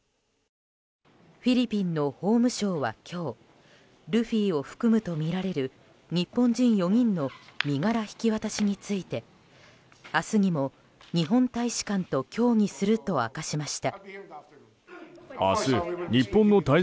フィリピンの法務相は今日ルフィを含むとみられる日本人４人の身柄引き渡しについて明日にも日本大使館と協議すると明かしました。